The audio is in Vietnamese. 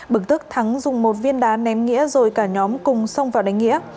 bực tức thắng dùng một viên đá ném nghĩa rồi cả nhóm cùng xông vào đánh nghĩa